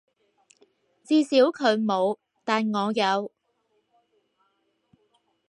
至少佢冇，但我有